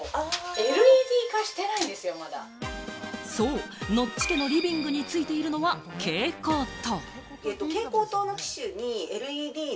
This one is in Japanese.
そう、ノッチ家のリビングについているのは蛍光灯。